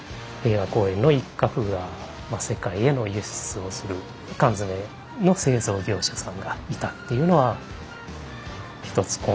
平和公園の一画が世界への輸出をする缶詰の製造業者さんがいたっていうのはひとつ